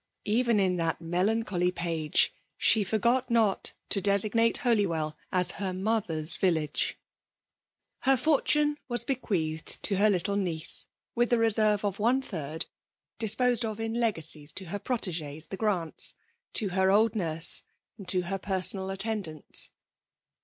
even, in that iiaelancholy page, she forgot 196 fVHALS aMMINATlON. not to designate Holywell as her ^ maihef^s villager Her fortune was bequeathed to hex little niece, with the reserve of one third, disposed of in legacies to her proiegecM, the Grants, to her old nurse, to her personal attendants.